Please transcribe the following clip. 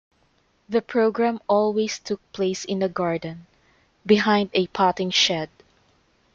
The programme always took place in a garden, behind a potting shed.